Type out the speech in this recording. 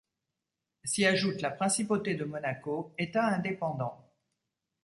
S'y ajoute la Principauté de Monaco, État indépendant.